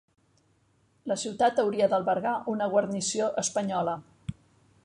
La ciutat hauria d'albergar una guarnició espanyola.